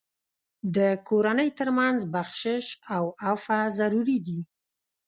د کورنۍ تر منځ بخشش او عفو ضروري دي.